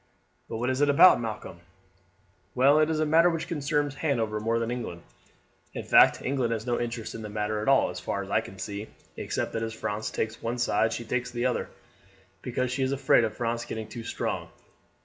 "But what is it about, Malcolm?" "Well, it is a matter which concerns Hanover more than England; in fact England has no interest in the matter at all as far as I can see, except that as France takes one side she takes the other, because she is afraid of France getting too strong.